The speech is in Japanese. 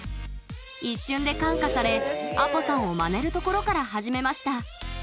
一瞬で感化されＡＰＯ＋さんをまねるところから始めました。